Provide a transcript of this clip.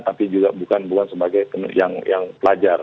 tapi juga bukan sebagai yang pelajar